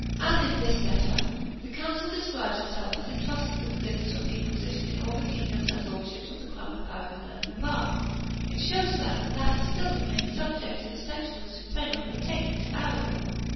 As in this letter the Council describes itself as entrusted with the business of the Inquisition in all the kingdoms and lordships of the crown of Aragon and Navarre, it shows that the latter still remained subject to the section of the Suprema pertaining to Aragon.